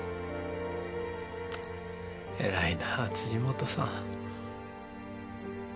えらいな辻本さん。